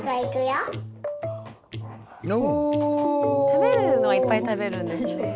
食べるのはいっぱい食べるんですね。